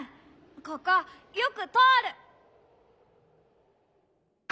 ここよくとおる。